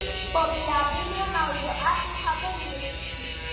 په بېلابېلو موضوعاتو خبرې وشوې.